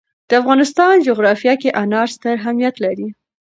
د افغانستان جغرافیه کې انار ستر اهمیت لري.